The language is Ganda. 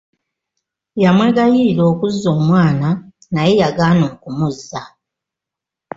Yamwegayirira okuzza omwana naye yagaana okumuzza.